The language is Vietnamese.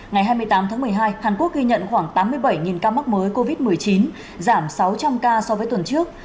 ngày hai mươi tám tháng một mươi hai hàn quốc ghi nhận khoảng tám mươi bảy ca mắc mới covid một mươi chín giảm sáu trăm linh ca so với tuần trước